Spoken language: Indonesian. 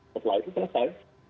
setelah itu selesai